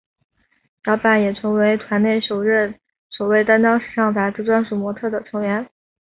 小坂也成为团内首位担任时尚杂志专属模特儿的成员。